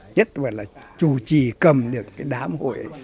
nhất là là chủ trì cầm được cái đám hội ấy